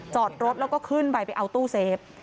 จอดรถแล้วก็ขึ้นไปไปเอาตู้เซฟ